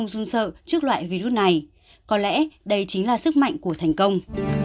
dung sợ trước loại virus này có lẽ đây chính là sức mạnh của thành công